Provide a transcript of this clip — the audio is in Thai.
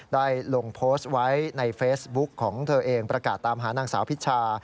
ได้ลงโพสต์ไว้ในเฟซบุ๊กของเธอเองประกาศตามหานางสาวพิชา